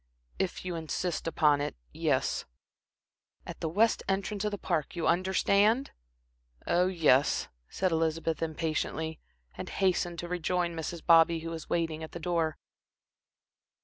"If you insist upon it yes." "At the west entrance of the Park you understand?" "Oh, yes," said Elizabeth impatiently, and hastened to rejoin Mrs. Bobby, who was waiting at the door.